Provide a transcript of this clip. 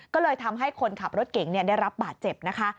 ก็เลยทำให้คนขับรถเก๋งได้รับบาดเจ็บนะคะ